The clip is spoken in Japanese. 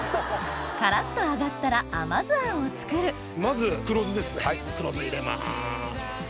カラっと揚がったら甘酢あんを作るまず黒酢ですね